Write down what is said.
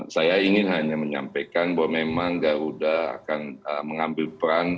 saya ingin hanya menyampaikan bahwa memang garuda akan mengambil peran